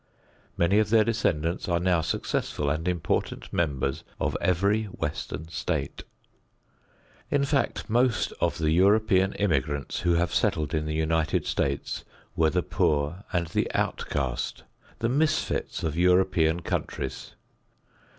Many of their descendants are now successful and important members of every western state. In fact, most of the European immigrants who have settled in the United States were the poor and the outcast, the misfits of European countries.